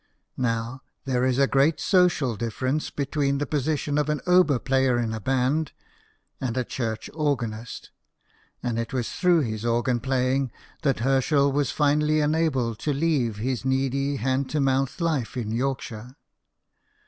Now, there is a great social differ ence between the position of an oboe player in a band and a church organist ; and it was through his organ playing that Herschel was finally enabled to leave his needy hand to mouth life in Yorkshire.